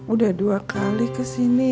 udah dua kali kesini